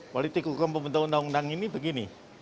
politik hukum pembentuk undang undang ini begini